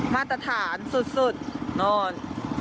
มาตรฐานสุดโน่น